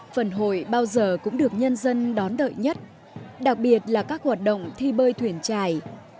phần hội bao giờ cũng được nhân dân đón đợi nhất đặc biệt là các hoạt động thi bơi thuyền trài